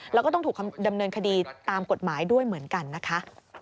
แล้วก็ต้องถูกดำเนินคดีตามกฎหมายด้วยเหมือนกันนะคะ